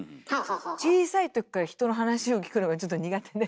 小さい時から人の話を聞くのがちょっと苦手で。